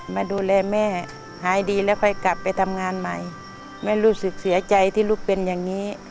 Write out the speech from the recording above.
มาดูแลแม่หายดีแล้วค่อยกลับไปทำงานใหม่แม่รู้สึกเสียใจที่ลูกเป็นอย่างนี้